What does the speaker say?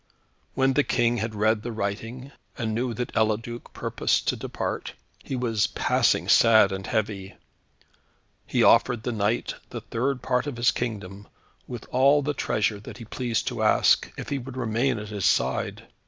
When the King had read the writing, and knew that Eliduc purposed to depart, he was passing sad and heavy. He offered the knight the third part of his kingdom, with all the treasure that he pleased to ask, if he would remain at his side.